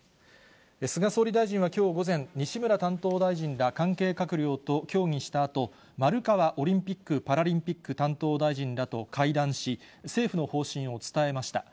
菅総理大臣はきょう午前、西村担当大臣ら関係閣僚と協議したあと、丸川オリンピック・パラリンピック担当大臣らと会談し、政府の方針を伝えました。